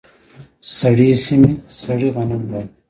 سړې سیمې سړې غنم غواړي.